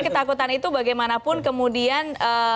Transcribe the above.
ketakutan itu bagaimanapun kemudian